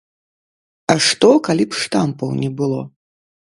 А што калі б штампаў не было?